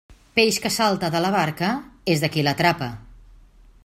Peix que salta de la barca és de qui l'atrapa.